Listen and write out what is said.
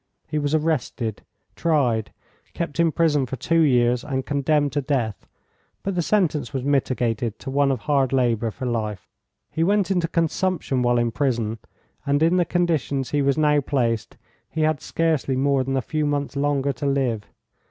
He was arrested, tried, kept in prison for two years, and condemned to death, but the sentence was mitigated to one of hard labour for life. He went into consumption while in prison, and in the conditions he was now placed he had scarcely more than a few months longer to live.